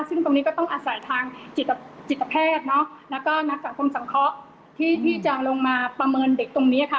ซึ่งตรงนี้ก็ต้องอาศัยทางจิตแพทย์เนอะแล้วก็นักสังคมสังเคราะห์ที่จะลงมาประเมินเด็กตรงนี้ค่ะ